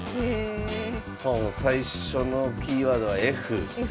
最初のキーワードはＦ。